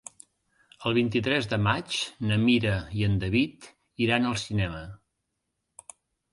El vint-i-tres de maig na Mira i en David iran al cinema.